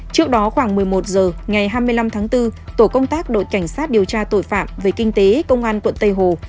trước đó khoảng một mươi một h ngày hai mươi năm tháng bốn tổ công tác đội cảnh sát điều tra tội phạm về kinh tế công an quận tây hồ